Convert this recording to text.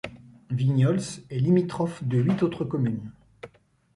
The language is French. Vignols est limitrophe de huit autres communes.